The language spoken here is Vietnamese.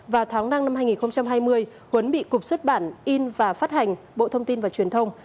vào tháng năm năm hai nghìn hai mươi quấn bị cục xuất bản in và phát hành bộ thông tin và truyền thông